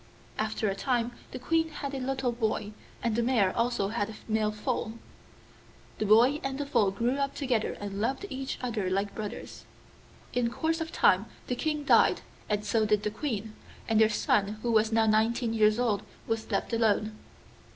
After a time the Queen had a little boy, and the mare also had a male foal. The boy and the foal grew up together and loved each other like brothers. In course of time the King died, and so did the Queen, and their son, who was now nineteen years old, was left alone.